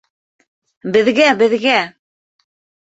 Беҙгә, беҙгә!